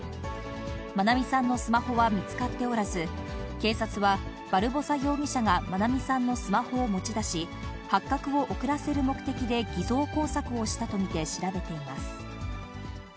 愛美さんのスマホは見つかっておらず、警察はバルボサ容疑者が愛美さんのスマホを持ち出し、発覚を遅らせる目的で偽造工作をしたと見て、調べています。